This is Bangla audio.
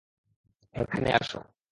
এখানে আসো!